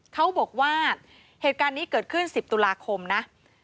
เขาบอกว่าเหตุการณ์นี้เกิดขึ้น๑๐ตุลาคมนะ